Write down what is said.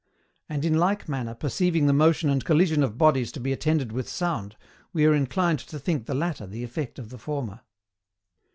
And in like manner perceiving the motion and collision of bodies to be attended with sound, we are inclined to think the latter the effect of the former.